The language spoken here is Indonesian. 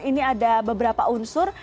ini ada beberapa unsur